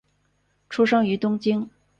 出生于东京。